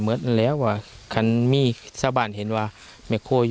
เหมือนแล้วว่าคันมีชาวบ้านเห็นว่าแม่โคอยู่